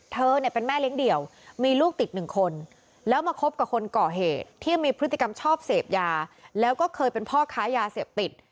เธอเนี่ยเป็นแม่เลี้ยงเดี่ยวมีลูกติดหนึ่งคนแล้วมาคบกับคนก่อเหตุที่มีพฤติกรรมชอบเสพยาแล้วก็เคยเป็นพ่อค้ายาเสพติด